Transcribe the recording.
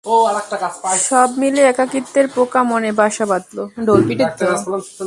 সবমিলে একাকিত্বের পোকা মনে বাসা বাঁধল।